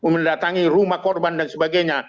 mendatangi rumah korban dan sebagainya